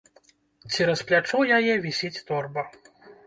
Цераз плячо яе вісіць торба.